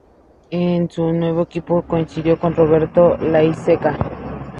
En su nuevo equipo coincidió con Roberto Laiseka.